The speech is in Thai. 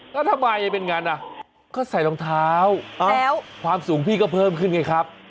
ก็ทำไมเป็นอย่างนั้นใส่รองเท้าความสูงพี่ก็เพิ่มขึ้นไงครับ